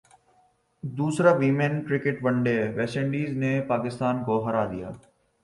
دوسرا women cricket one day west Indies نےپاکستان کوہرادیا